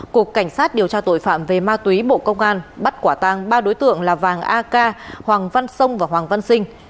cục cảnh sát điều tra tội phạm về ma túy bộ công an bắt quả tang ba đối tượng là vàng a ca hoàng văn sông và hoàng văn sinh